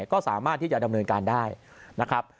ก็สามารถที่จะดำเนินการได้นะครับ